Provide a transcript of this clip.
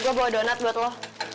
gue bawa donat buat lo